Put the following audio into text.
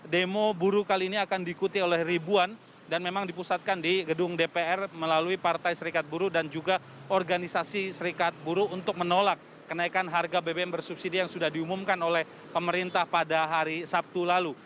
demo buruh kali ini akan diikuti oleh ribuan dan memang dipusatkan di gedung dpr melalui partai serikat buruh dan juga organisasi serikat buruh untuk menolak kenaikan harga bbm bersubsidi yang sudah diumumkan oleh pemerintah pada hari sabtu lalu